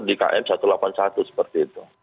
di km satu ratus delapan puluh satu seperti itu